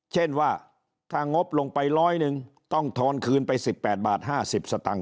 เช่นว่าถ้างบลงไปร้อยหนึ่งต้องทอนคืนไป๑๘บาท๕๐สตังค์